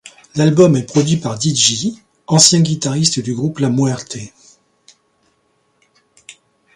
L'album est produit par Dee-J, ancien guitariste du groupe La Muerte.